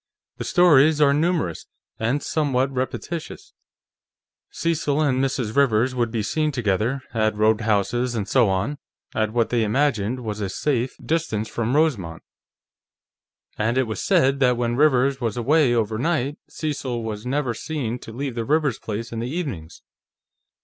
The stories are numerous, and somewhat repetitious; Cecil and Mrs. Rivers would be seen together, at roadhouses and so on, at what they imagined was a safe distance from Rosemont, and it was said that when Rivers was away over night, Cecil was never seen to leave the Rivers place in the evenings.